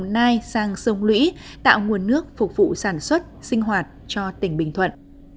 nai sang sông lũy tạo nguồn nước phục vụ sản xuất sinh hoạt cho tỉnh bình thuận